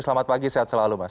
selamat pagi sehat selalu mas